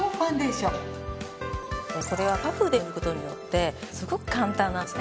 これはパフで塗ることによってすごく簡単なんですね。